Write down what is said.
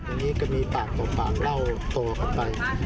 อย่างนี้ก็มีปากต่อปากเล่าต่อกันไป